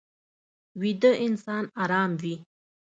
ویده انسان ارام وي